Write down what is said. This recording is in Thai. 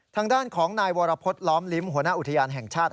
ทางด้านของนายวรพฤษล้อมลิ้มหัวหน้าอุทยานแห่งชาติ